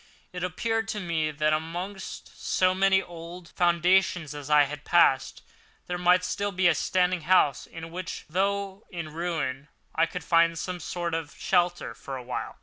It appeared to me that, amongst so many old foundations as I had passed, there might be still standing a house in which, though in ruins, I could find some sort of shelter for a while.